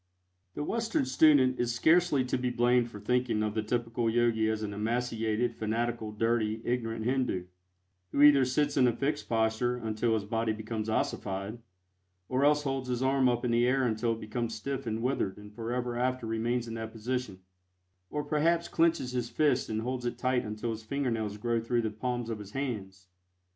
The Western student is scarcely to be blamed for thinking of the typical Yogi as an emaciated, fanatical, dirty, ignorant Hindu, who either sits in a fixed posture until his body becomes ossified, or else holds his arm up in the air until it becomes stiff and withered and forever after remains in that position, or perhaps clenches his fist and holds it tight until his fingernails grow through the palms of his hands.